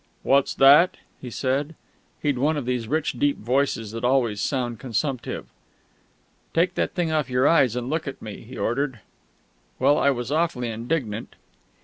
"What's that?" he said he'd one of these rich deep voices that always sound consumptive. "Take that thing off your eyes, and look at me," he ordered. Well, I was awfully indignant.